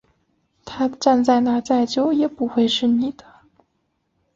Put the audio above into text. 你站在那再久也不会是你的